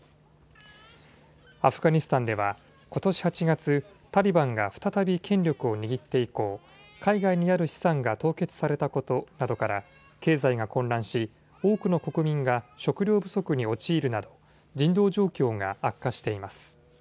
アフガニスタンではことし８月、タリバンが再び権力を握って以降、海外にある資産が凍結されたことなどから経済が混乱し多くの国民が食料不足に陥るなど人道状況が悪化しています。